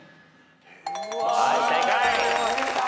はい正解。